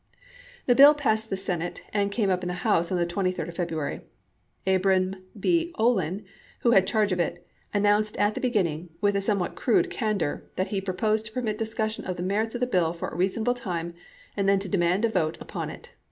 The bill passed the Senate and came up in the 1863. House on the 23d of February. Abram B. Olin, who had charge of it, announced at the beginning, with a somewhat crude candor, that he proposed to permit discussion of the merits of the bill for a reasonable time and then to demand a vote upon it.